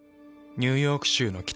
ニューヨーク州の北。